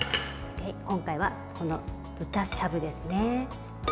今回はこの豚しゃぶですね。